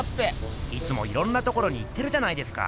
いつもいろんなところに行ってるじゃないですか。